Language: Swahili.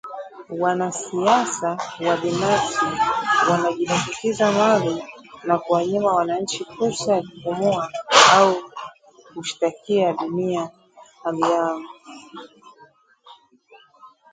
Wanasiasa wabinafsi wanajilimbikizia mali na kuwanyima wananchi fursa ya kupumua au kushtakia dunia hali yao